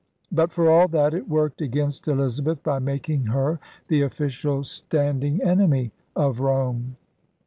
But, for all that, it worked against Elizabeth by making her the oflScial standing enemy of Rome.